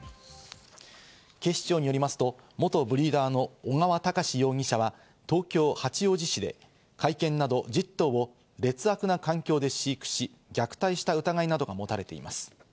警視庁によりますと元ブリーダーの尾川隆容疑者は東京・八王子市で甲斐犬など１０頭を劣悪な環境で飼育し、虐待した疑いなどが持たれています。